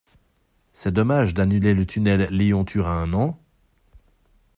C'est dommage d'annuler le tunnel Lyon Turin, non?